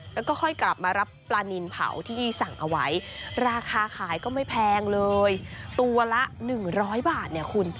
แล้วก็ค่อยกลับมารับปลานินเผาที่สั่งเอาไว้ราคาขายก็ไม่แพงเลยตัวละ๑๐๐บาทเนี่ยคุณ